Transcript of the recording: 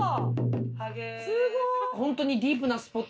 すごい！